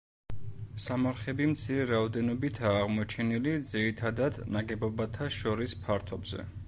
სამარხები მცირე რაოდენობითაა აღმოჩენილი ძირითადად ნაგებობათა შორის ფართობზე.